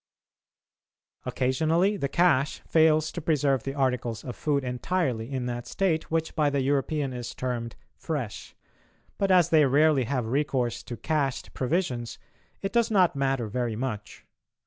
Occasionally the "cache" fails to preserve the articles of food entirely in that state which by the European is termed "fresh"; but as they rarely have recourse to "cached" provisions, it does not matter very much.